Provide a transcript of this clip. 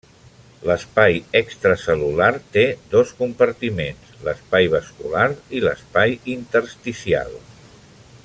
L'espai extracel·lular té dos compartiments: l'espai vascular i l'espai intersticial.